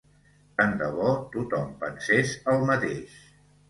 Tant de bo tothom pensés el mateix